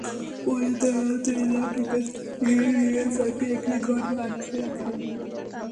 পরে তাঁরা দেড় লাখ টাকা ছিনিয়ে নিয়ে তাঁকে একটি ঘরে আটকে রাখেন।